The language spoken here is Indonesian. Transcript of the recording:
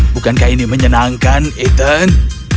bukankah ini menyenangkan ethan